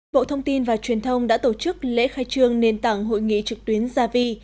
bộ thông tin và truyền thông đã tổ chức lễ khai trương nền tảng hội nghị trực tuyến gia vi